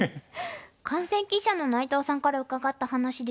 観戦記者の内藤さんから伺った話ですが。